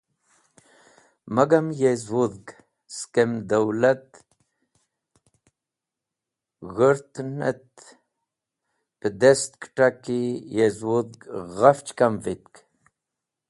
Magam, yezwudh, skem dawlat g̃hũrtn et pẽdest kẽtaki yezwudhg ghafch kam vitk.